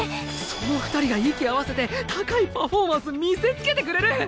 その二人が息合わせて高いパフォーマンス見せつけてくれる。